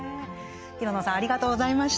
廣野さんありがとうございました。